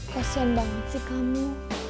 kasian banget sih kamu